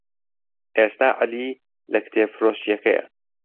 ئێستا عەلی لە کتێبفرۆشییەکەیە.